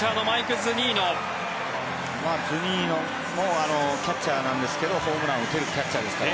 ズニーノもキャッチャーなんですけどホームランを打てるキャッチャーですからね。